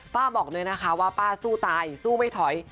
บอกเลยนะคะว่าป้าสู้ตายสู้ไม่ถอย